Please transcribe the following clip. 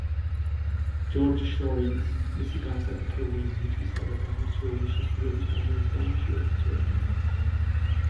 ჯორჯ შირინგს, მისი განსაკუთრებული ნიჭისა და გამორჩეული შესრულების მანერის გამო ხშირად იწვევდნენ.